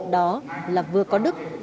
đó là vừa có đức